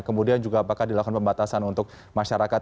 kemudian juga apakah dilakukan pembatasan untuk masyarakat